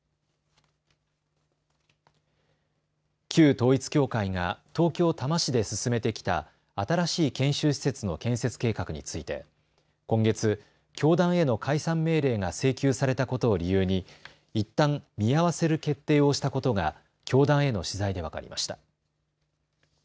旧統一教会が東京多摩市で進めてきた新しい研修施設の建設計画について今月、教団への解散命令が請求されたことを理由にいったん見合わせる決定をしたことが教団への取材で分かりました。